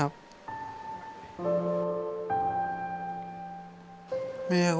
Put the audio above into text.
ลูกซิบแม่ลูก